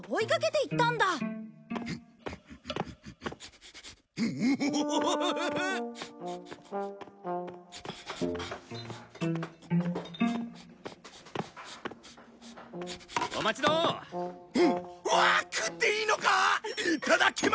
いただきまーす！